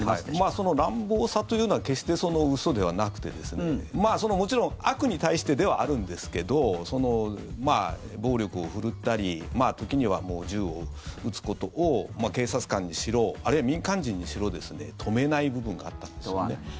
その乱暴さというのは決して嘘ではなくてもちろん悪に対してではあるんですけど暴力を振るったり時には銃を撃つことを警察官にしろあるいは民間人にしろ止めない部分があったんですよね。